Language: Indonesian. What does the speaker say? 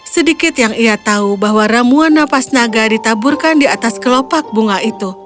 sedikit yang ia tahu bahwa ramuan napas naga ditaburkan di atas kelopak bunga itu